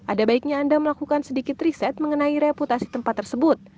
ada baiknya anda melakukan sedikit riset mengenai reputasi tempat tersebut